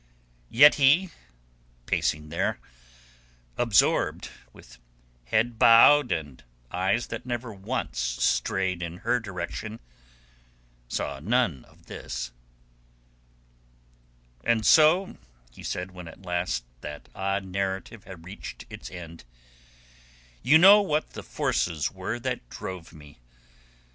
Yet he, pacing there, absorbed, with head bowed and eyes that never once strayed in her direction, saw none of this. "And so," he said, when at last that odd narrative had reached its end, "you know what the forces were that drove me.